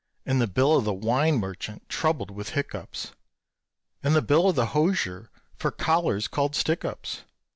And the bill of the wine merchant, troubled with hiccups, And the bill of the hosier for collars called "stick ups."